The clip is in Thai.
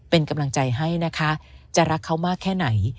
เป็นกำลังใจให้นะคะจะรักเขามากแค่ไหน